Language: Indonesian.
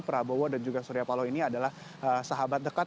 prabowo dan juga surya paloh ini adalah sahabat dekat